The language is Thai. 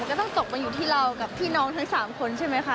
ก็ต้องตกมาอยู่ที่เรากับพี่น้องทั้ง๓คนใช่ไหมคะ